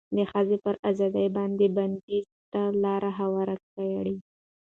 د ښځې پر ازادې باندې بنديز دې ته لار هواره کړه